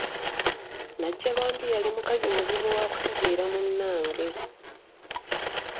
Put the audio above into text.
Najjalwambi yali mukazi muzibu wakutegeera munnange.